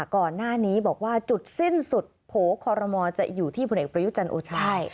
ก่อนหน้านี้บอกว่าจุดสิ้นสุดโผล่คอรมอลจะอยู่ที่ผลเอกประยุจันทร์โอชา